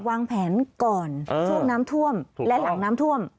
วางแผนก่อนช่วงน้ำท่วมและหลังน้ำท่วม